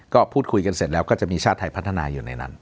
ก็พูดคุยกันเสร็จแล้วก็จะมีชาติไทยพัฒนาอยู่ในนั้น